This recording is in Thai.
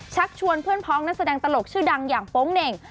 ชวนเพื่อนพ้องนักแสดงตลกชื่อดังอย่างโป๊งเหน่ง